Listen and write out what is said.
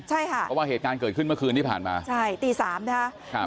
ใช่ค่ะเพราะว่าเหตุการณ์เกิดขึ้นเมื่อคืนที่ผ่านมาใช่ตีสามนะครับ